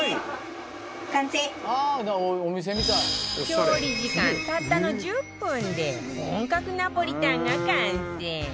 調理時間たったの１０分で本格ナポリタンが完成